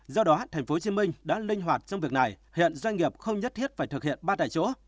do đó tp hcm đã linh hoạt trong việc này hiện doanh nghiệp không nhất thiết phải thực hiện ba tại chỗ